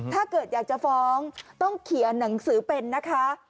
ถ้าเกิดอยากจะฟ้องต้องเขียนหนังสือเป็นนะคะ